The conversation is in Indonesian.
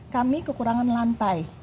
kami kekurangan lantai